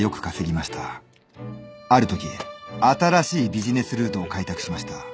あるとき新しいビジネスルートを開拓しました。